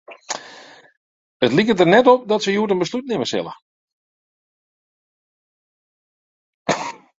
It liket der net op dat se hjoed in beslút nimme sille.